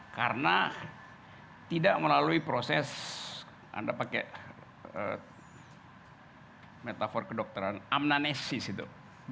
karena tidak melalui proses anda pakai metafor kedokteran amnonesis itu